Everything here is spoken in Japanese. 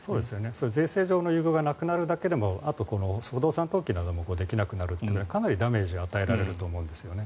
税制上の優遇がなくなるだけでもあと、不動産登記などもできなくなるのでかなりダメージが与えられると思うんですよね。